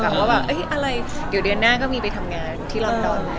แบบว่าอะไรเดี๋ยวเดือนหน้าก็มีไปทำงานที่รอบ